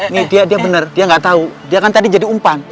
nih nih dia bener dia nggak tahu dia kan tadi jadi umpan